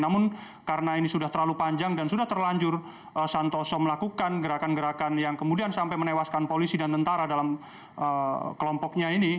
namun karena ini sudah terlalu panjang dan sudah terlanjur santoso melakukan gerakan gerakan yang kemudian sampai menewaskan polisi dan tentara dalam kelompoknya ini